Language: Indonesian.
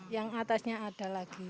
yang atasnya ada lagi